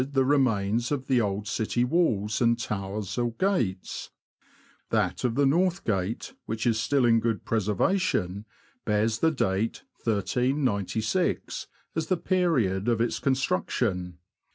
the remains of the old city walls and towers or gates ; that of the North Gate, which is still in good preser vation, bears the date 1396 as the period of its construction.